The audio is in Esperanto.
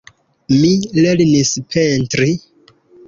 Mi lernis pentri.